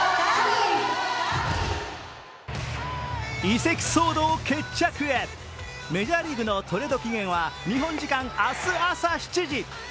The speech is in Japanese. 移籍騒動決着へ、メジャーリーグのトレード期限は日本時間明日朝７時。